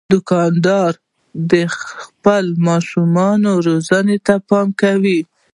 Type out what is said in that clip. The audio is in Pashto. دوکاندار د خپلو ماشومانو روزنې ته پام کوي.